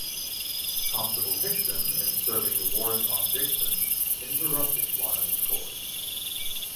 Constable Hickson, in serving the warrant on Dixon, interrupted Whannell's court.